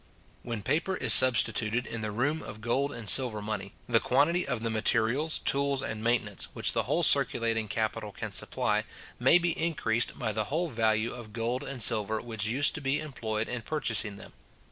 When paper is substituted in the room of gold and silver money, the quantity of the materials, tools, and maintenance, which the whole circulating capital can supply, may be increased by the whole value of gold and silver which used to be employed in purchasing them.